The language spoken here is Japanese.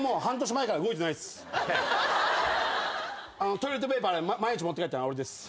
トイレットペーパー毎日持って帰ってるの俺です。